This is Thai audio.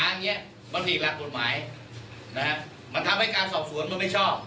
อย่างเงี้ยมันผิดหลักกฎหมายนะฮะมันทำให้การสอบสวนมันไม่ชอบ